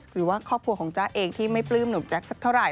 หรือว่าครอบครัวของจ๊ะเองที่ไม่ปลื้มหนุ่มแจ๊คสักเท่าไห